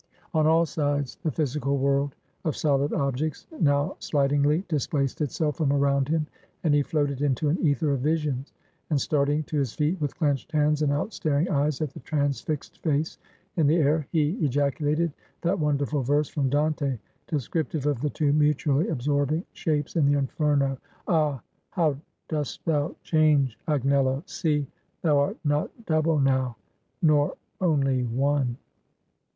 On all sides, the physical world of solid objects now slidingly displaced itself from around him, and he floated into an ether of visions; and, starting to his feet with clenched hands and outstaring eyes at the transfixed face in the air, he ejaculated that wonderful verse from Dante, descriptive of the two mutually absorbing shapes in the Inferno: "Ah! how dost thou change, Agnello! See! thou art not double now, Nor only one!"